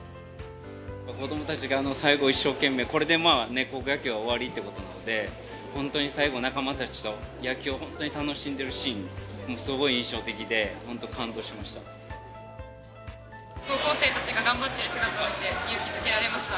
子どもたちが最後、一生懸命、これでまあ、高校野球は終わりってことなので、本当に最後、仲間たちと野球を本当に楽しんでるシーンがすごい印象的で、高校生たちが頑張ってる姿を見て、勇気づけられました。